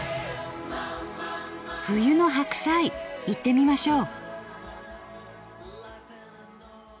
冬の白菜いってみましょう。